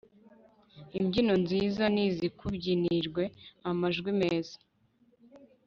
imbyino nziza nizikubyinirwe, amajwi meza